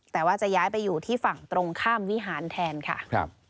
แต่ว่าจะย้ายไปอยู่ที่ฝั่งตรงข้ามวิหารแทนค่ะ